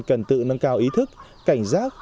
cần tự nâng cao ý thức cảnh giác